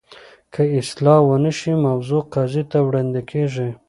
که اصلاح ونه شي، موضوع قاضي ته وړاندي کیږي.